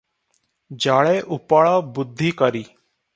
ଜଳେ ଉପଳ ବୁଦ୍ଧି କରି ।